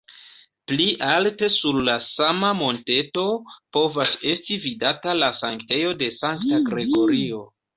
Pli alte sur la sama monteto povas esti vidata la sanktejo de sankta Gregorio.